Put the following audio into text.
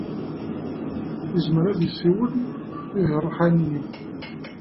Yezmer ad yessiwel ed yiṛuḥaniyen.